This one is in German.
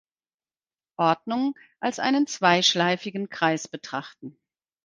Ordnung als einen zweischleifigen Kreis betrachten.